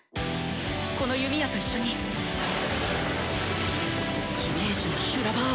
この弓矢と一緒にイメージの修羅場を。